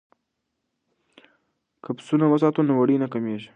که پسونه وساتو نو وړۍ نه کمیږي.